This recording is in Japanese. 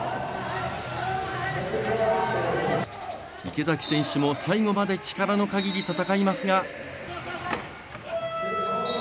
池崎選手も最後まで力の限り戦いますが。